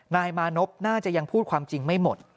นายมานพน่าจะยังพูดความจริงไม่หมด